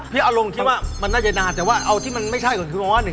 พี่อารงค์คิดว่ามันน่าจะนานแต่ว่าเอาที่มันไม่ใช่กว่าคือ